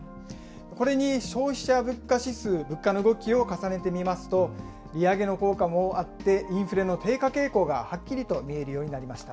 これに消費者物価指数、物価の動きを重ねてみますと、利上げの効果もあって、インフレの低下傾向がはっきりと見えるようになりました。